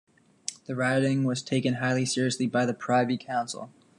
The rioting was taken highly seriously by the Privy Council.